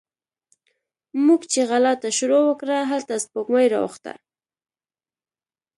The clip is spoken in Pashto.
موږ چې غلا ته شروع وکړه، هلته سپوږمۍ راوخته